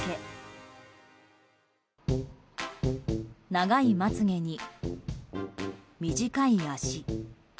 長いまつ毛に、短い足。